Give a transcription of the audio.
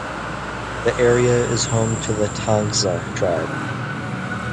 The area is home to the Tangsa tribe.